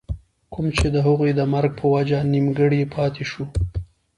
کوم چې َد هغوي د مرګ پۀ وجه نيمګري پاتې شو